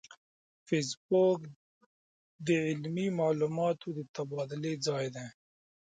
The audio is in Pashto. فېسبوک د علمي معلوماتو د تبادلې ځای دی